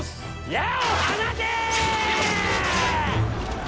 矢を放て！